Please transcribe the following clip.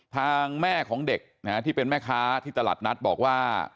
ทางแม่ของเด็กที่เป็นแม่ค้าที่ตลาดนัดบอกว่า